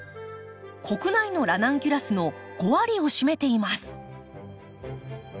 国内のラナンキュラスの５割を占めています。